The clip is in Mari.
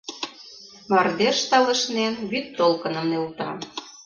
Мардеж, талышнен, вӱдтолкыным нӧлта.